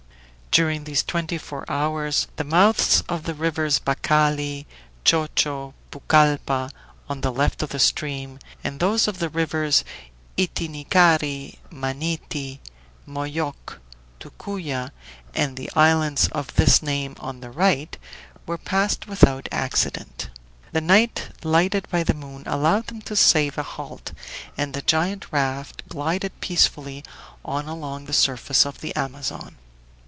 During these twenty four hours the mouths of the rivers Bacali, Chochio, Pucalppa, on the left of the stream, and those of the rivers Itinicari, Maniti, Moyoc, Tucuya, and the islands of this name on the right, were passed without accident. The night, lighted by the moon, allowed them to save a halt, and the giant raft glided peacefully on along the surface of the Amazon.